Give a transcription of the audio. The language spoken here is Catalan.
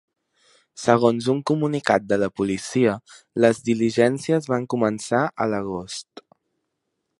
Segons un comunicat de la policia, les diligències van començar a l’agost.